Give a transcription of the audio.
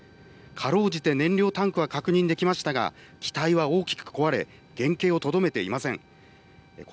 かろうじて燃料タンクは確認できましたが機体は大きく壊れ原形をとどめていません。